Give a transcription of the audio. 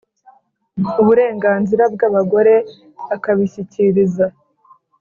Uburenganzira bw abagore akabishyikiriza